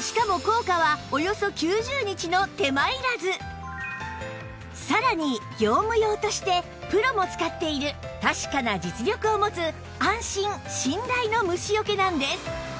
しかもさらに業務用としてプロも使っている確かな実力を持つ安心・信頼の虫除けなんです